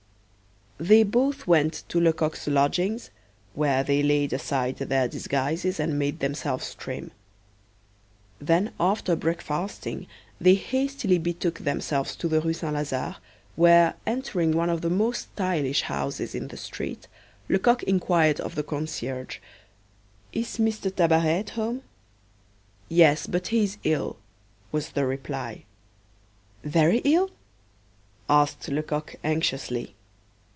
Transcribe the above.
They both went to Lecoq's lodgings, where they laid aside their disguises and made themselves trim. Then after breakfasting they hastily betook themselves to the Rue St. Lazare, where, entering one of the most stylish houses in the street, Lecoq inquired of the concierge: "Is M. Tabaret at home?" "Yes, but he's ill," was the reply. "Very ill?" asked Lecoq anxiously.